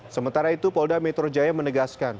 sementara itu polda metro jaya menegaskan